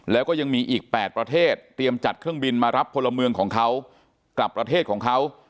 แล้วก็ยังมีอีก๘ประเทศเตรียมจัดเครื่องบินมารับพลเมืองของเขากลับประเทศของเขา